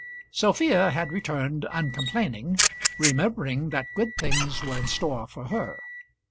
Sophia had returned uncomplaining, remembering that good things were in store for her.